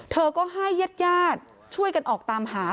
เธอก็ให้ญาติญาติช่วยกันออกตามหา